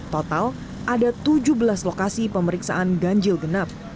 total ada tujuh belas lokasi pemeriksaan ganjil genap